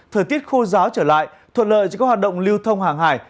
thời tiết khô giáo trở lại thuận lợi cho các hoạt động lưu thông hàng hải